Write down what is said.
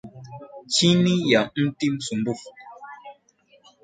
Chini ya mti msumbufu.